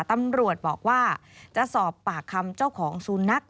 ตำรวจบอกว่าจะสอบปากคำเจ้าของสุนัข